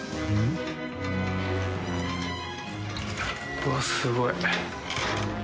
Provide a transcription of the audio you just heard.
うわあすごい。